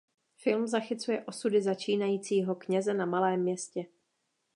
Film zachycuje osudy začínajícího kněze na malém městě.